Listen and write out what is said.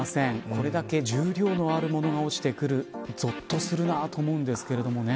これだけ重量のある物が落ちてくるぞっとするなと思うんですけれどもね。